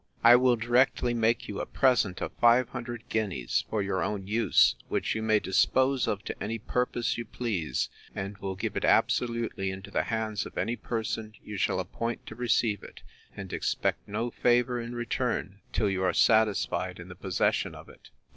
I will directly make you a present of 500 guineas, for your own use, which you may dispose of to any purpose you please: and will give it absolutely into the hands of any person you shall appoint to receive it; and expect no favour in return, till you are satisfied in the possession of it.